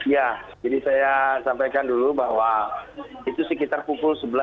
ya jadi saya sampaikan dulu bahwa itu sekitar pukul sebelas